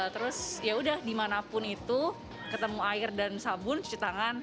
terus yaudah dimanapun itu ketemu air dan sabun cuci tangan